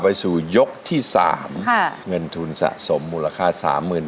ผ่านยกที่สองไปได้นะครับคุณโอ